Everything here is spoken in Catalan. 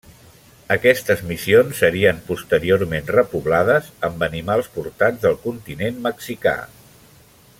Aquestes missions serien posteriorment repoblades amb animals portats del continent mexicà.